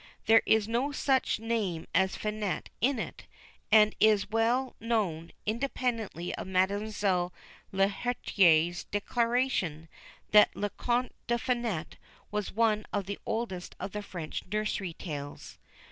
There is no such name as Finette in it, and it is well known, independently of Mademoiselle Lheritier's declaration, that Le Conte de Finette was one of the oldest of the French nursery tales.